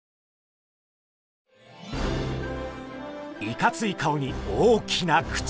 いかつい顔に大きな口！